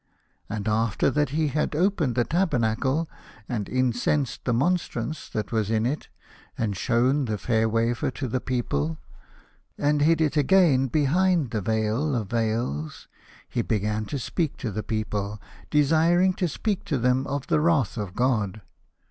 And after that he had opened the tabernacle, and incensed the monstrance that was in it, and shown the fair wafer to the people, and i 26 The Fisherman and his Soul. hid it again behind the veil of veils, he began to speak to the people, desiring to speak to them of the wrath of God.